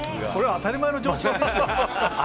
当たり前の常識ですよ。